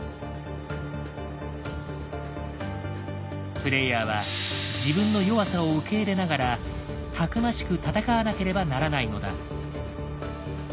プレイヤーは自分の弱さを受け入れながら逞しく戦わなければならないのだ。